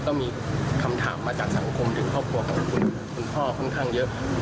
ก็มีคำถามมาจากสังคมถึงครอบครัวของคุณคุณพ่อค่อนข้างเยอะ